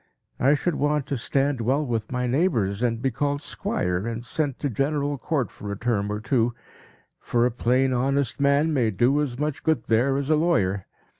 I should want to stand well with my neighbors, and be called Squire, and sent to General Court for a term or two; for a plain, honest man may do as much good there as a lawyer.